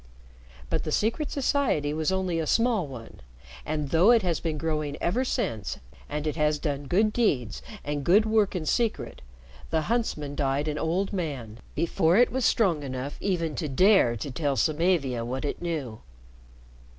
But the secret society was only a small one, and, though it has been growing ever since and it has done good deeds and good work in secret, the huntsman died an old man before it was strong enough even to dare to tell Samavia what it knew."